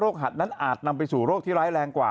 หัดนั้นอาจนำไปสู่โรคที่ร้ายแรงกว่า